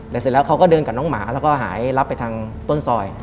เสร็จแล้วเขาก็เดินกับน้องหมาแล้วก็หายรับไปทางต้นซอย